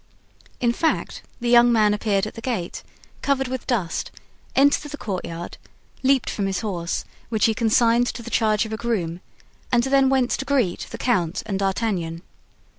In fact, the young man appeared at the gate, covered with dust, entered the courtyard, leaped from his horse, which he consigned to the charge of a groom, and then went to greet the count and D'Artagnan.